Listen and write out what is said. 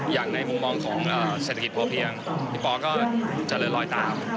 อย่างในมุมมองของเศรษฐกิจพอเพียงพี่ปอก็เจริญลอยตาม